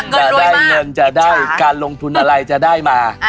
จะได้เงินจะได้การลงทุนอะไรจะได้มา